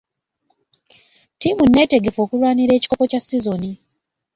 Ttiimu neetegefu okulwanira ekikopo kya sizoni.